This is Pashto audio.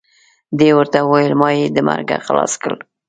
دې ورته وویل ما یې د مرګه خلاص کړ.